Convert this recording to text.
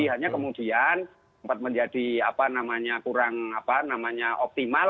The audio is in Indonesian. hanya kemudian sempat menjadi apa namanya kurang apa namanya optimal